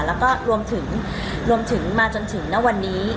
แล้วก็รวมถึงมาจนถึงณวันนี้